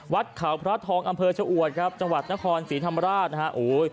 วัดเขาพระทองอำเภอชะอวดครับจังหวัดนครศรีธรรมราชนะฮะโอ้ย